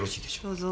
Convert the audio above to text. どうぞ。